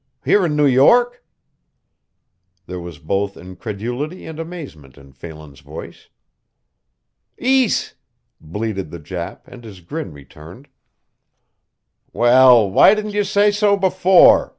Here in New York!" There was both incredulity and amazement in Phelan's voice. "Ees!" bleated the Jap and his grin returned. "Well, why didn't you say so before?"